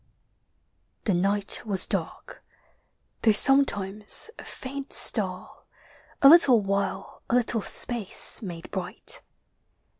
The night was dark, though sometimes a faint star A little while a little space made bright.